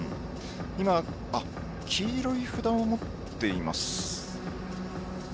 今、黄色い札を持っています。